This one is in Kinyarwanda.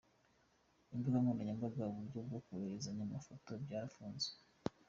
Imbuga nkoranyambaga, uburyo bwo kohererezanya amafaranga byarafunzwe.